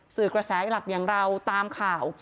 สื่อกระแสให้หลักอย่างเราตามข่าว